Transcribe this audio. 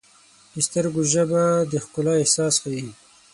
د سترګو ژبه د ښکلا احساس ښیي.